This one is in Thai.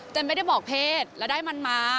ไม่ได้บอกเพศแล้วได้มันมา